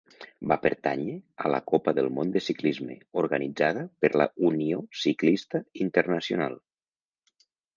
Va pertànyer a la Copa del Món de ciclisme, organitzada per la Unió Ciclista Internacional.